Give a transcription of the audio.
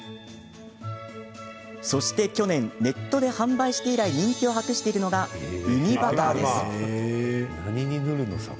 そして去年ネットで販売して以来人気を博しているのがウニバターです。